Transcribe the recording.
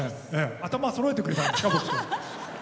頭、そろえてくれたんですか。